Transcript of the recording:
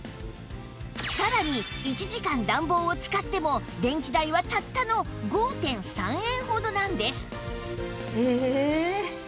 さらに１時間暖房を使っても電気代はたったの ５．３ 円ほどなんです